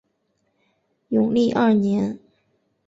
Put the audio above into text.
永历二年。